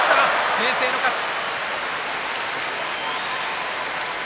明生の勝ち。